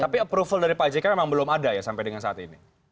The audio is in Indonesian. tapi approval dari pak jk memang belum ada ya sampai dengan saat ini